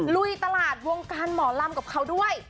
ลุยตลาดวงการหมอลำกับเขาด้วย